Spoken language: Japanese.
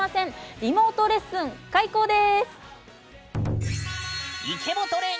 リモートレッスン、開講です！